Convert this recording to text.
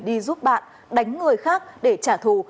đi giúp bạn đánh người khác để trả thù